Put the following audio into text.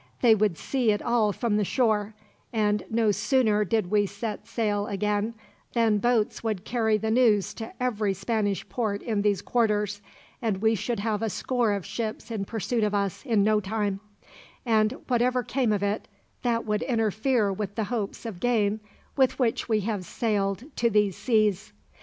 They would see it all from the shore; and no sooner did we set sail again, than boats would carry the news to every Spanish port in these quarters, and we should have a score of ships in pursuit of us, in no time; and, whatever came of it, that would interfere with the hopes of gain with which we have sailed to these seas.